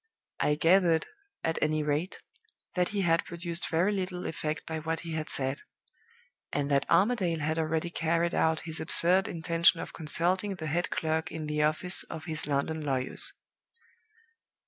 I gathered, at any rate, that he had produced very little effect by what he had said; and that Armadale had already carried out his absurd intention of consulting the head clerk in the office of his London lawyers.